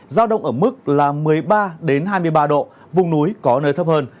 giao động ở mức là một mươi ba hai mươi ba độ vùng núi có nơi thấp hơn